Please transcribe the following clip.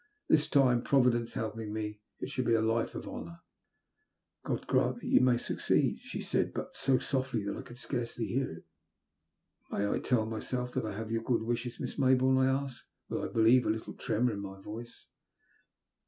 This time. Providence helping me, it shall be a life of honour. God grant you may succeed !" she said, but so softly that I could scarcely hear it. May I tell myself that I have your good wishes, Miss Maybourne?'* I asked, with, I believe, a little tremor in my voice.